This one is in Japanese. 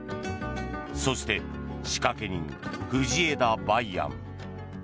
そして「仕掛け人・藤枝梅安」。